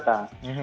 sudah banyak loh